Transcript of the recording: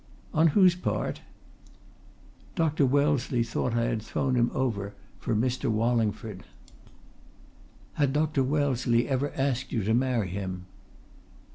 "On whose part?" "Dr. Wellesley thought I had thrown him over for Mr. Wallingford." "Had Dr. Wellesley ever asked you to marry him?"